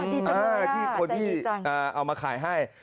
อ๋อดีจังเลยอ่ะใจดีจังที่คนที่เอามาขายให้